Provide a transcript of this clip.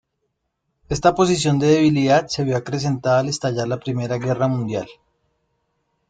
Esta posición de debilidad se vio acrecentada al estallar la Primera Guerra Mundial.